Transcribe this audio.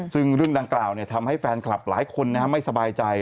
ซึ่งเรื่องดังกล่าวทำให้แฟนคลับหลายคนไม่สบายใจ